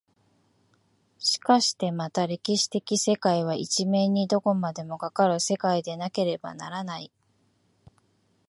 しかしてまた歴史的世界は一面にどこまでもかかる世界でなければならない。